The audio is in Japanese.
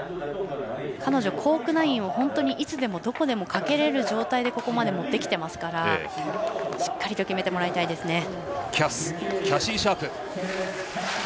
彼女、コーク９００をいつでもどこでもかけれる状態でここまで持ってきていますからしっかり決めてもらいたいです。